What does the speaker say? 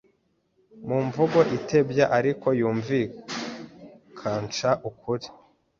mu mvugo itebya ariko yumvikansha ukuri